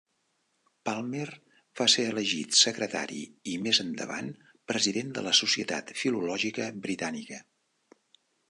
Palmer va ser elegit Secretari i més endavant president de la Societat Filològica britànica.